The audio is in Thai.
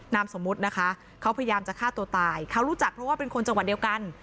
นามสมมุตินะคะเขาพยายามจะฆ่าตัวตายเขารู้จักเพราะว่าเป็นคนจังหวัดเดียวกัน